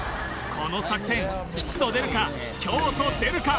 この作戦吉と出るか凶と出るか？